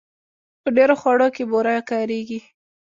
په ډېرو خوړو کې بوره کارېږي.